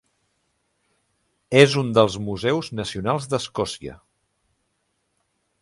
És un dels museus nacionals d'Escòcia.